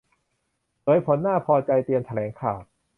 เผยผลน่าพอใจ เตรียมแถลงข่าว